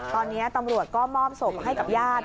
ตอนนี้ตำรวจก็มอบศพให้กับญาติ